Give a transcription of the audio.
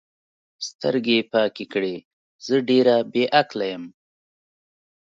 سترګې یې پاکې کړې: زه ډېره بې عقله یم.